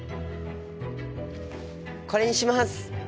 これにします。